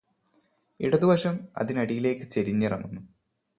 ഇടതുവശം അതിനടിയിലേയ്ക് ചരിഞ്ഞിറങ്ങുന്നു